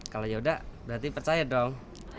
kalau yaudah berarti percaya dong